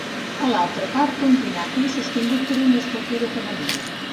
A l'altra part, un pinacle sostingut per una escultura femenina.